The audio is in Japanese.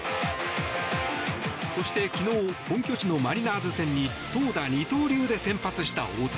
そして、昨日本拠地のマリナーズ戦に投打二刀流で先発した大谷。